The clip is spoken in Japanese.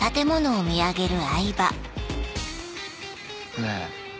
ねぇ